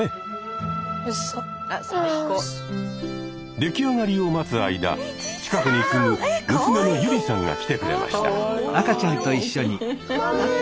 出来上がりを待つ間近くに住む娘のユリさんが来てくれました。